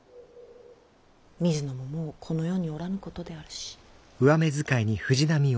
水野ももうこの世におらぬことであるし。